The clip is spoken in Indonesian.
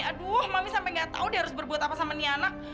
aduh mami sampe gak tahu dia harus berbuat apa sama niana